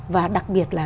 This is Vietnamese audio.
và đặc biệt là